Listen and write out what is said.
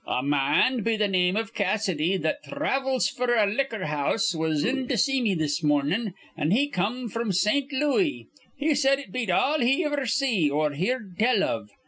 "A ma an be th' name iv Cassidy, that thravels f'r a liquor house, was in to see me this mornin'; an' he come fr'm Saint Looey. He said it beat all he iver see or heerd tell of.